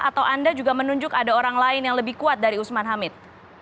atau anda juga menunjuk ada orang lain yang lebih kuat dari usman hamid